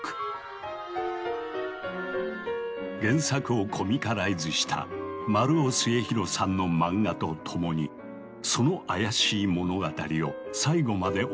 原作をコミカライズした丸尾末広さんのマンガとともにその妖しい物語を最後までお届けする。